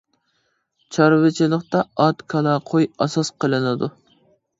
چارۋىچىلىقتا ئات، كالا، قوي ئاساس قىلىنىدۇ.